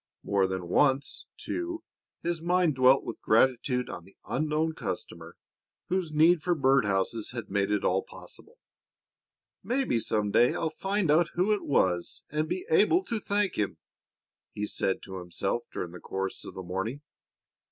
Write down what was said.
More than once, too, his mind dwelt with gratitude on the unknown customer whose need for bird houses had made it all possible. "Maybe some day I'll find out who it was and be able to thank him," he said to himself during the course of the morning.